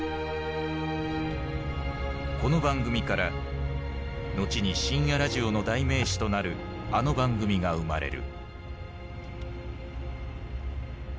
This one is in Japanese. この番組から後に深夜ラジオの代名詞となるあの番組が生まれる。